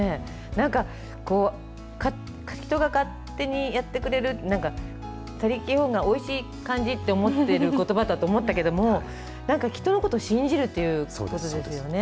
なんか、人が勝手にやってくれる、なんか他力本願、おいしい感じって思ってることばだと思ったけども、なんか人のことを信じるということですよね。